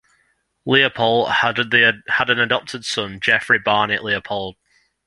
Leipoldt had an adopted son, Jeffery Barnet Leipoldt.